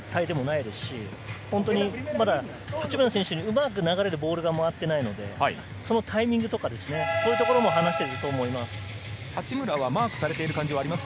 まだ全然ギャンブルをする時間帯でもないですし、本当にまだ八村選手にうまく流れでボールが回っていないので、そのタイミングとか、そういうところも話していると思います。